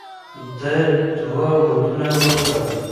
ده دوه ودونه وکړل.